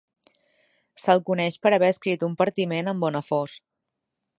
Se'l coneix per haver escrit un partiment amb Bonafós.